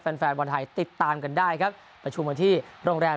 แฟนแฟนบอลไทยติดตามกันได้ครับประชุมกันที่โรงแรม